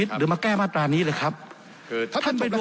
ชื่อและเหมาะสมเป็นนายกรณปรี